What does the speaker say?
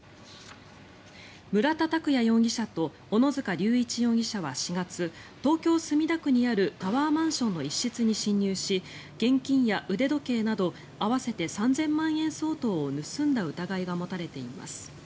村田拓也容疑者と小野塚隆一容疑者は４月東京・墨田区にあるタワーマンションの一室に侵入し現金や腕時計など合わせて３０００万円相当を盗んだ疑いが持たれています。